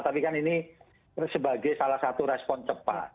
tapi kan ini sebagai salah satu respon cepat